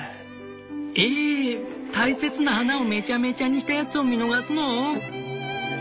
「ええ大切な花をめちゃめちゃにしたヤツを見逃すの？」。